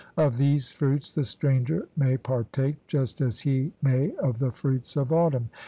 Of these fruits the stranger may partake, just as he may of the fruits of autumn.